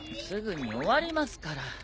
すぐに終わりますから。